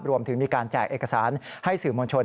รวมถึงมีการแจกเอกสารให้สื่อมวลชน